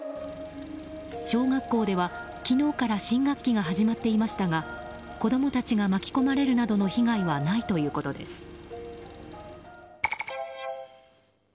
小学校では昨日から新学期が始まっていましたが子供が巻き込まれるなどの被害はないということです。